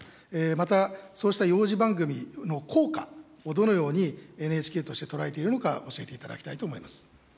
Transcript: また、そうした幼児番組の効果をどのようにＮＨＫとして捉えているのか、教えていただきたいと思います。